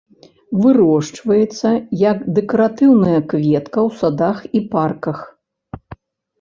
Вырошчваецца як дэкаратыўная кветка ў садах і парках.